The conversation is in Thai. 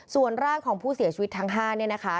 ส่วนร่างของผู้เสียชีวิตทั้ง๕เนี่ยนะคะ